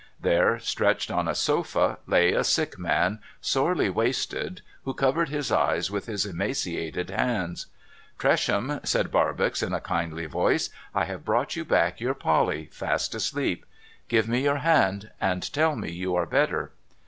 There, stretched on a sofa, lay a sick man, sorely wasted, who covered his eyes with his emaciated hands. ' Tresham,' said Barbox in a kindly voice, ' I have brought you back your Polly, fast asleep. Give me your hand, and tell me you are better.'